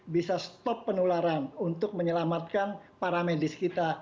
bisa stop penularan untuk menyelamatkan para medis kita